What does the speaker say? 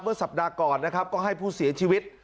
สัปดาห์ก่อนนะครับก็ให้ผู้เสียชีวิต